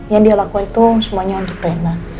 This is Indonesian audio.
yang dia lakuin itu semuanya untuk rina